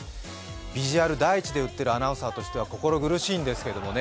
ビジュアル第一で売ってるアナウンサーとしては心苦しいんですけどね